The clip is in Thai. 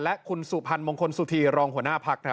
และคุณสุพรรณมงคลสุธีรองหัวหน้าพัก